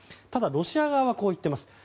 ただ、ロシア側はこう言っています。